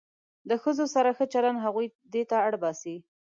له ښځو سره ښه چلند هغوی دې ته اړ باسي.